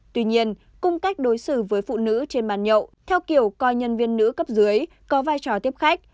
tuy nhiên cung cách đối xử với phụ nữ trên bàn nhậu theo kiểu coi nhân viên nữ cấp dưới có vai trò tiếp khách